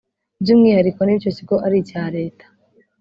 By'umwihariko niba icyo kigo ari icya leta